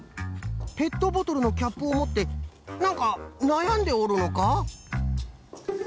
ペットボトルのキャップをもってなんかなやんでおるのか？